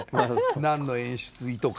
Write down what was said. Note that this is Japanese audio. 何の演出意図か。